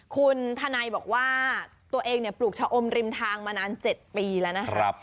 คุณธนัยบอกว่าตัวเองปลูกชะอมริมทางมานาน๗ปีแล้วนะครับ